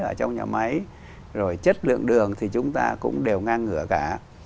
ở trong nhà máy rồi chất lượng đường thì chúng ta cũng đều ngang ngựa cả